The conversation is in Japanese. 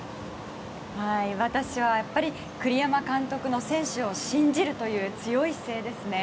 私はやっぱり栗山監督の選手を信じるという強い姿勢ですね。